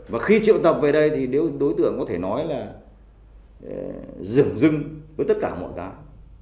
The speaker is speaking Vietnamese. và khi triệu tập về đây thì đối tượng có thể nói là rừng rưng với tất cả mọi người